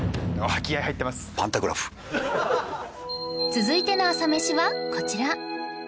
続いての朝メシはこちら